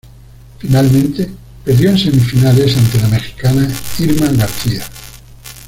Finalmente, perdió en semifinales ante la mexicana Irma García.